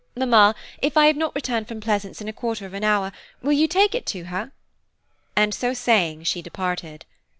Mamma, if I have not returned from Pleasance in a quarter of an hour, will you take it to her?" and so saying she departed.